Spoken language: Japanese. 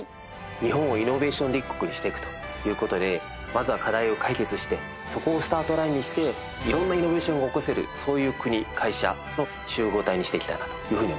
日本をイノベーション立国にしていくという事でまずは課題を解決してそこをスタートラインにして色んなイノベーションを起こせるそういう国会社の集合体にしていきたいなというふうに思っています。